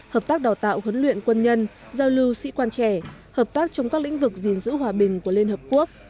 hợp tác đào tạo huấn luyện quân nhân giao lưu sĩ quan trẻ hợp tác trong các lĩnh vực gìn giữ hòa bình của liên hợp quốc